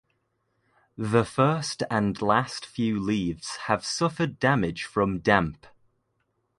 The first and last few leaves have suffered damage from damp.